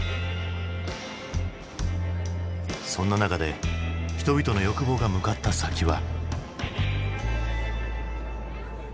そんな中で人々の欲望が向かった先は。